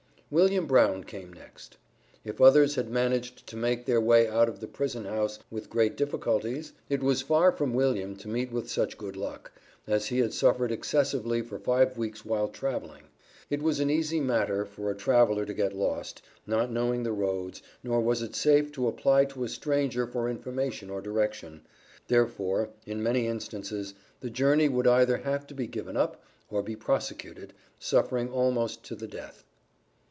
William Brown came next. If others had managed to make their way out of the prison house without great difficulties, it was far from William to meet with such good luck, as he had suffered excessively for five weeks while traveling. It was an easy matter for a traveler to get lost, not knowing the roads, nor was it safe to apply to a stranger for information or direction therefore, in many instances, the journey would either have to be given up, or be prosecuted, suffering almost to the death.